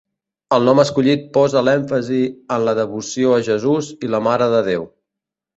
El nom escollit posa l'èmfasi en la devoció a Jesús i la Mare de Déu.